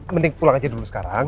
mending pulang aja dulu sekarang